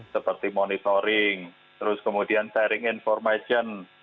seperti monitoring terus kemudian sharing information